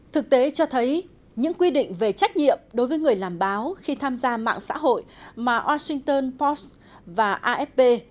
thực tế cho thấy những quy định về trách nhiệm đối với người làm báo khi tham gia mạng xã hội mà washington post và afp